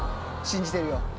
信じてるよ。